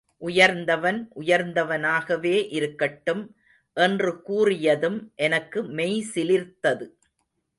உயர்ந்தவன் உயர்ந்தவனாகவே இருக்கட்டும். என்று கூறியதும் எனக்கு மெய்சிலிர்த்தது.